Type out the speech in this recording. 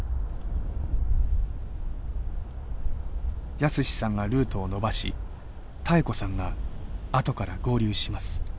泰史さんがルートを延ばし妙子さんが後から合流します。